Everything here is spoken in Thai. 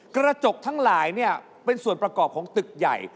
กระจกทั้งหลายเป็นส่วนประกอบของตึกใหญ่